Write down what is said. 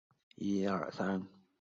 圣帕普。